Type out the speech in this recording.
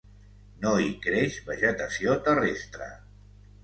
No hi creix vegetació terrestre.